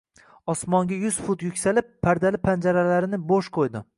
Osmonga yuz fut yuksalib, pardali panjalarini bo‘sh qo‘ydi